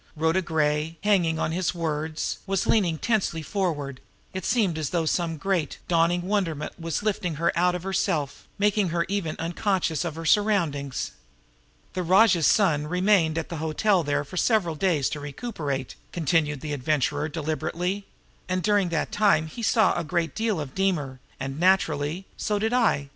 Rhoda Gray, hanging on his words, was leaning tensely forward it seemed as though some great, dawning wonderment was lifting her out of herself, making her even unconscious of her surroundings. "The rajah's son remained at the hotel there for several days to recuperate," continued the Adventurer deliberately; "and during that time he saw a great deal of Deemer, and, naturally, so did I.